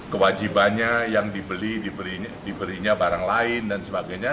kewajibannya yang dibeli diberinya barang lain dan sebagainya